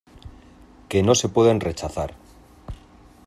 que no se pueden rechazar.